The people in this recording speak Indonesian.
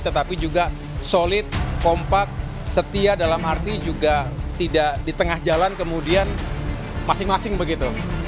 tetapi juga solid kompak setia dalam arti juga tidak di tengah jalan kemudian masing masing begitu